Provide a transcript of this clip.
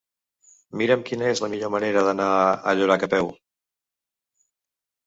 Mira'm quina és la millor manera d'anar a Llorac a peu.